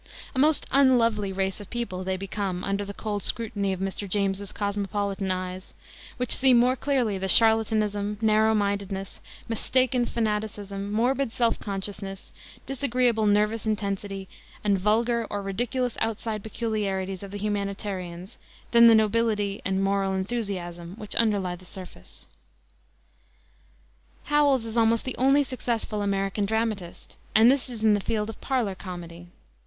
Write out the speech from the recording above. A most unlovely race of people they become under the cold scrutiny of Mr. James's cosmopolitan eyes, which see more clearly the charlatanism, narrow mindedness, mistaken fanaticism, morbid self consciousness, disagreeable nervous intensity, and vulgar or ridiculous outside peculiarities of the humanitarians, than the nobility and moral enthusiasm which underlie the surface. Howells is almost the only successful American dramatist, and this in the field of parlor comedy.